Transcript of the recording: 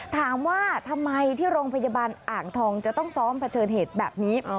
ถามว่าทำไมที่โรงพยาบาลอ่างทองจะต้องซ้อมเผชิญเหตุแบบนี้